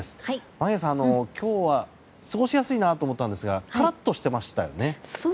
眞家さん、今日は過ごしやすいなと思ったんですがカラッとしてましたよね。